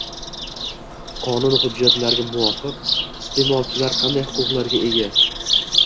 Qonun hujjatlariga muvofiq, iste’molchilar qanday huquqlarga ega?